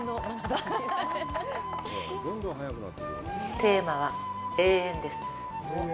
テーマは「永遠」です。